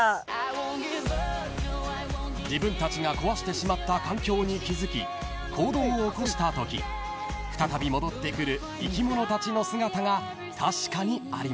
［自分たちが壊してしまった環境に気付き行動を起こしたとき再び戻ってくる生き物たちの姿が確かにありました］